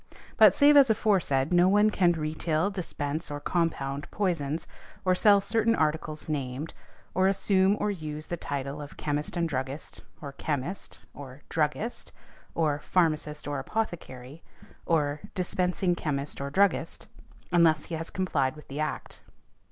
But, save as aforesaid, no one can retail, dispense, or compound poisons, or sell certain articles named, or assume or use the title of "Chemist and Druggist," or "Chemist," or "Druggist," or "Pharmacist or Apothecary," or "Dispensing Chemist or Druggist," unless he has complied with the Act.